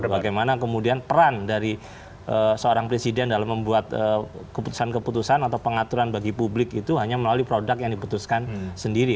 bagaimana kemudian peran dari seorang presiden dalam membuat keputusan keputusan atau pengaturan bagi publik itu hanya melalui produk yang diputuskan sendiri